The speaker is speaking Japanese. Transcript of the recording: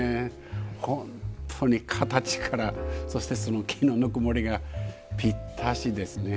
本当に形からそして木のぬくもりがぴったしですね。